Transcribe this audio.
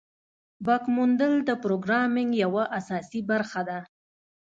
بګ موندل د پروګرامینګ یوه اساسي برخه ده.